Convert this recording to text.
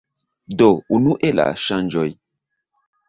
Do, unue la ŝanĝoj